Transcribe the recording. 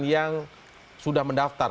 yang sudah mendaftar